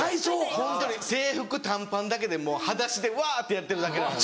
ホントに制服短パンだけではだしでわ！ってやってるだけなんで。